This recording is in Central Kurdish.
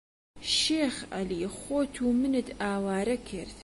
شێخ عەلی خۆت و منت ئاوارە کرد